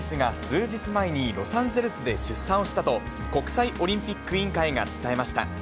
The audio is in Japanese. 大坂選手が数日前にロサンゼルスで出産したと、国際オリンピック委員会が伝えました。